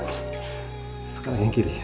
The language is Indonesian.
sekarang yang kiri